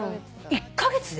１カ月で！？